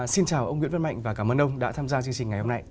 xin chào ông nguyễn văn mạnh và cảm ơn ông đã tham gia chương trình ngày hôm nay